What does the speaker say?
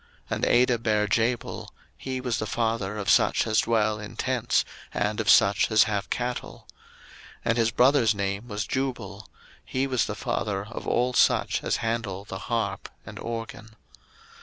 01:004:020 And Adah bare Jabal: he was the father of such as dwell in tents, and of such as have cattle. 01:004:021 And his brother's name was Jubal: he was the father of all such as handle the harp and organ.